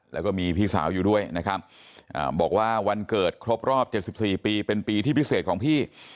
แล้วก็มีพี่สาวอยู่ด้วยนะครับบอกว่าวันเกิดครบรอบ๗๔ปีเป็นปีที่พิเศษของพี่